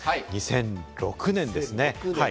２００６年ですね。